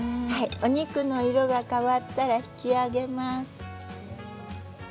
お肉の色が変わったら引き上げます。